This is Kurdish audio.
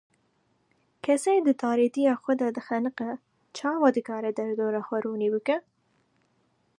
Kesê di tarîtiya xwe de dixeniqe, çawa dikare derdora xwe ronî bike?